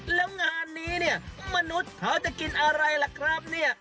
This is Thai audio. แล้วงานนี้เนี่ยมนุษย์เขาจะกินอะไรล่ะครับเนี่ย